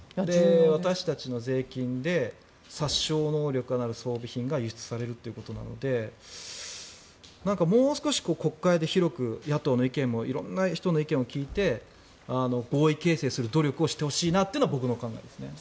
私たちの税金で殺傷能力のある装備品が輸出されるということなのでもう少し、国会で広く野党の意見も色んな人の意見を聞いて合意形成する努力をしてほしいなというのが僕の考えです。